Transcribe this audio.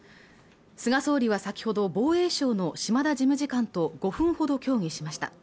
菅総理は先ほど防衛省の島田事務次官と５分ほど協議しました